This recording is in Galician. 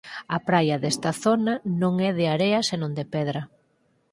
A praia desta zona non é de area senón de pedra.